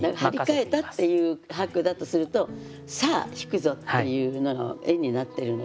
「張り替えた」っていう把握だとすると「さあ弾くぞ」っていうのの絵になってるので。